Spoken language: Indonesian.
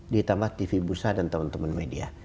ditambah tv bursa dan teman teman media